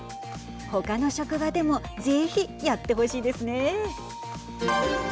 ほかの職場でもぜひ、やってほしいですね。